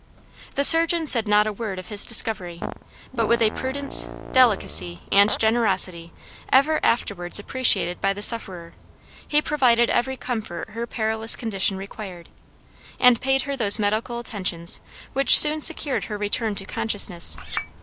The surgeon said not a word of his discovery, but with a prudence, delicacy, and generosity ever afterwards appreciated by the sufferer, he provided every comfort her perilous condition required, and paid her those medical attentions which soon secured her return to consciousness.